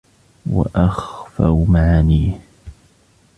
وَأَخْفَوْا مَعَانِيَهُ